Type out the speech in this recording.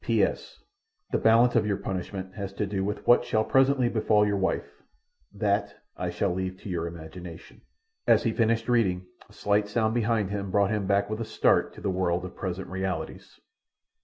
"P.S.—The balance of your punishment has to do with what shall presently befall your wife—that I shall leave to your imagination." As he finished reading, a slight sound behind him brought him back with a start to the world of present realities.